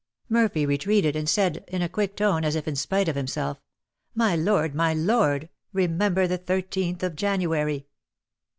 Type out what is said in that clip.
Murphy retreated, and said, in a quick tone, and as if in spite of himself, "My lord, my lord, _remember the thirteenth of January!